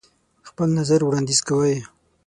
خپل نظر وړاندیز کوئ.